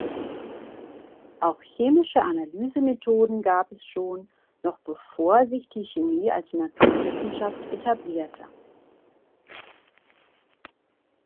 Auch chemische Analysemethoden gab es schon, noch bevor sich die Chemie als Naturwissenschaft etablierte.